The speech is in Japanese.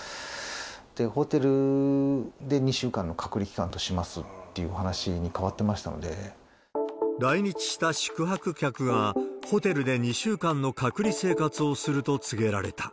ホテルで２週間の隔離期間としますというお話に変わってましたの来日した宿泊客が、ホテルで２週間の隔離生活をすると告げられた。